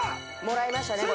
もらいましたね